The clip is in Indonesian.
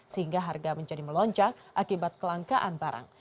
sehingga harga menjadi melonjak akibat kelangkaan barang